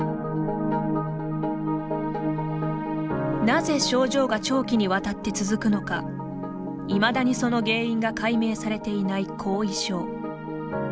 なぜ症状が長期にわたって続くのかいまだにその原因が解明されていない後遺症。